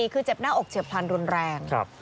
คือเจ็บหน้าอกเฉียบพลันรุนแรง